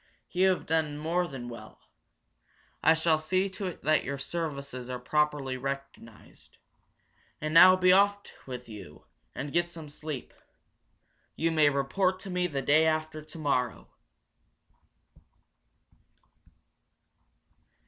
You have done more than well. I shall see to it that your services are properly recognized. And now be off with you, and get some sleep. You may report to me the day after tomorrow!"